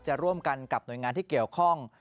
จะร่วมกันกับหน่วยงานที่เกี่ยวข้อง